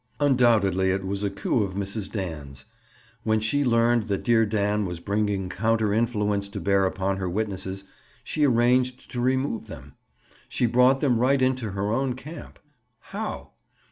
Undoubtedly it was a coup of Mrs. Dan's. When she learned that dear Dan was bringing counter influence to bear upon her witnesses, she arranged to remove them. She brought them right into her own camp. How?